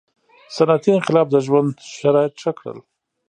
• صنعتي انقلاب د ژوند شرایط ښه کړل.